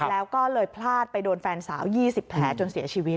แล้วก็เลยพลาดไปโดนแฟนสาว๒๐แผลจนเสียชีวิต